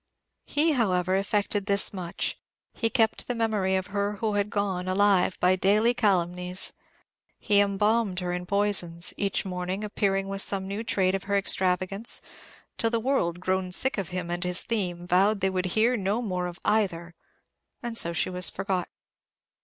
He, however, effected this much: he kept the memory of her who had gone, alive by daily calumnies. He embalmed her in poisons, each morning appearing with some new trait of her extravagance, till the world, grown sick of himself and his theme, vowed they would hear no more of either; and so she was forgotten.